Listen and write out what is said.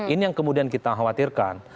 ini yang kemudian kita khawatirkan